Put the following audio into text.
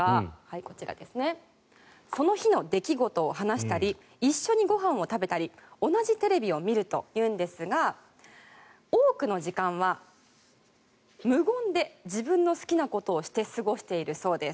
こちらですねその日の出来事を話したり一緒にご飯を食べたり同じテレビを見るというんですが多くの時間は無言で自分の好きなことをして過ごしているそうです。